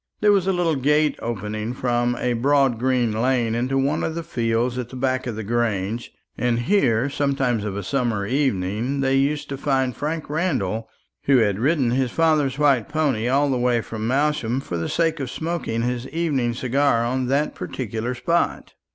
There was a little gate opening from a broad green lane into one of the fields at the back of the Grange; and here sometimes of a summer evening they used to find Frank Randall, who had ridden his father's white pony all the way from Malsham for the sake of smoking his evening cigar on that particular spot.